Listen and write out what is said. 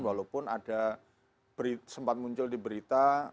walaupun ada sempat muncul di berita